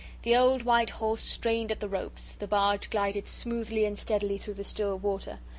The old white horse strained at the ropes, the barge glided smoothly and steadily through the still water.